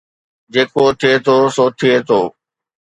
جيڪو ٿئي ٿو سو ٿئي ٿو